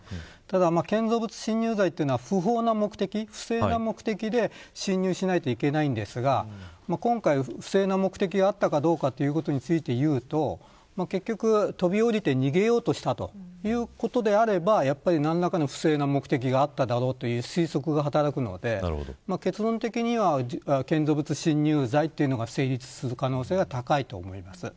建造物侵入罪は不法な目的不正な目的で侵入しないといけないんですが今回不正な目的があったかどうかについて言うと結局、飛び降りて逃げようとしたということであればやっぱり何らかの不正な目的があっただろうという不推測が働くので結論的には建造物侵入罪というのが成立する可能性が高いと思います。